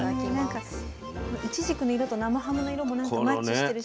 なんかいちじくの色と生ハムの色もマッチしてるし。